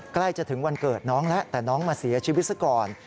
ใกล้จะถึงวันเกิดน้องแล้วแต่น้องมาเสียชีวิตซะก่อน